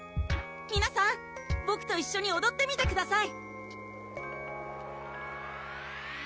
皆さんボクと一緒におどってみてください！